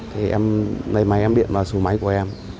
thì lấy máy em điện vào sổ máy của em